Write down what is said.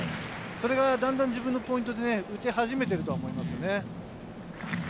だんだん自分のポイントで打て始めていると思いますね。